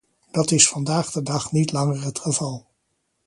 Dat is vandaag de dag niet langer het geval.